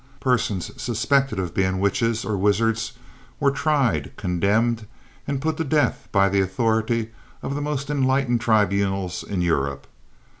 Persons suspected of being witches, or wizards, were tried, condemned and put to death by the authority of the most enlightened tribunals in Europe.